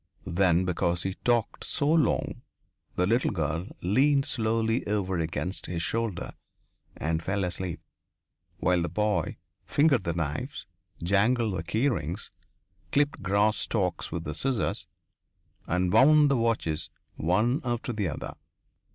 Then, because he talked so long, the little girl leaned slowly over against his shoulder and fell asleep, while the boy fingered the knives, jangled the key rings, clipped grass stalks with the scissors, and wound the watches one after the other.